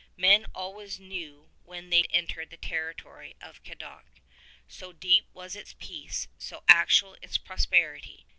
Men always knew when they entered the territory of Cadoc, so deep was its peace, so actual its prosperity.